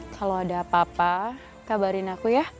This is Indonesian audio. kalau ada apa apa kabarin aku ya